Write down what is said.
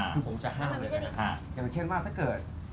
คือผมจะห้ามเลยนะครับอย่างเช่นว่าถ้าเกิด